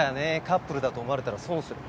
カップルだと思われたら損する。